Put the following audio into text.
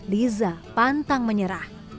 lisa pantang menyerah